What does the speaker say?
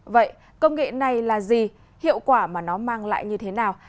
vậy công nghệ này là gì hiệu quả mà nó mang lại như thế nào